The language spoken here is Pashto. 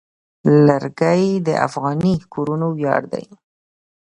لرګی د افغاني کورنو ویاړ دی.